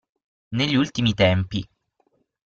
Negli ultimi tempi!